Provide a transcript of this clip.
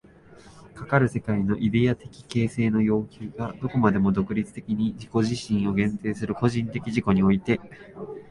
かかる世界のイデヤ的形成の要求がどこまでも独立的に自己自身を限定する個人的自己において、